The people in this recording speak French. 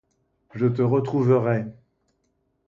Je te retrouverai!